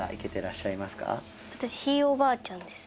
私ひいおばあちゃんです。